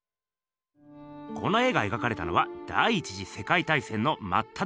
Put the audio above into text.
この絵が描かれたのは第１次世界大戦のまっただ中。